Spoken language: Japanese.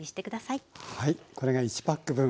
はいこれが１パック分。